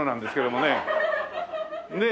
ねえ。